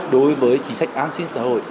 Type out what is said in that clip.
đối với chính sách an sinh xã hội